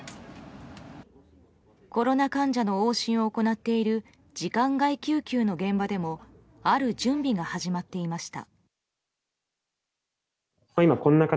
コロナ患者の往診を行っている時間外救急の現場でもある準備が始まっていました。